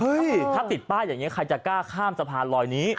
ถ้าติดป้ายอย่างนี้ใครจะกล้าข้ามสะพานลอยนี้